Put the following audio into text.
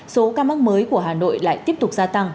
số ca mắc mới của hà nội lại tiếp tục gia tăng